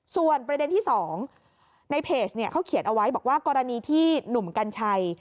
ส่วนประเด็นที่๒ในเพจเขาเขียนเอาไว้บอกว่ากรณีที่หนุ่มกัญชัย